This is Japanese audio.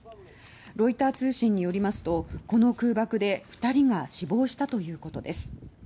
ロイター通信によりますとこの空爆で２人が死亡したということです。